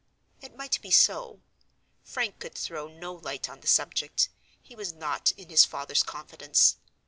It might be so. Frank could throw no light on the subject; he was not in his father's confidence.